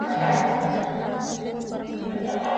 هغه کولای سي پرمختګ وکړي.